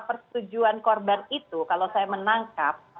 persetujuan korban itu kalau saya menangkap